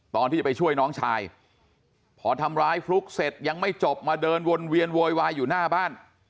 ตอนที่จะไปช่วยน้องชายพอทำร้ายฟลุ๊กเสร็จยังไม่จบมาเดินวนเวียนโวยวายอยู่หน้าบ้าน